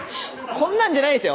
こんなんじゃないですよ